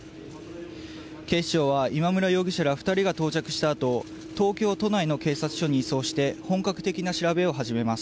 警視庁は今村容疑者ら２人が到着したあと、東京都内の警察署に移送して、本格的な調べを始めます。